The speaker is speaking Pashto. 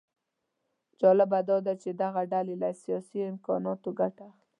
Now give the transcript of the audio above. جالبه داده چې دغه ډلې له سیاسي امکاناتو ګټه اخلي